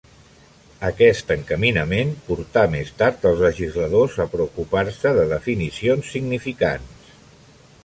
Aquest encaminament portà més tard els legisladors a preocupar-se de definicions significants.